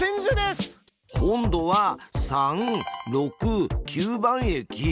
今度は３６９番駅